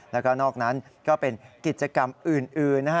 แล้วก็นอกนั้นก็เป็นกิจกรรมอื่นนะฮะ